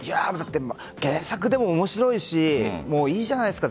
原作でも面白いしいいじゃないですか。